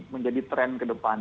menjadi trend kedepan